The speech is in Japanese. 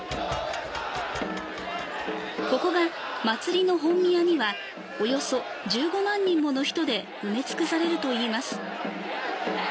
ここが祭りの本宮には約１５万人もの人で埋め尽くされるといいます。